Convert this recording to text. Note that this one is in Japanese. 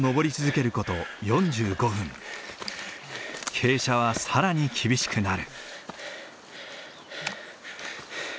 傾斜は更に厳しくなる。